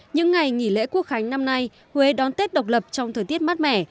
những ngày nghỉ lễ quốc khánh năm nay huế đón tết độc lập trong thời tiết mát mẻ